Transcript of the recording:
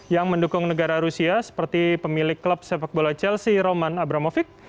yang mendukung negara rusia seperti pemilik klub sepak bola chelsea roman abramovic